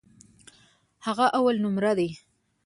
هغه اولنومره دی.